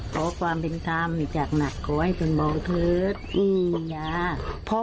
ขอความเป็นความจากหนักก็ให้เป็นเบาเทิดมียา